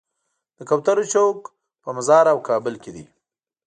د کوترو چوک په مزار او کابل کې دی.